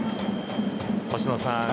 星野さん